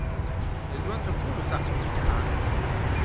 د ژوند تر ټولو سخت امتحان